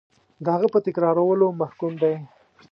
د هغه په تکرارولو محکوم دی.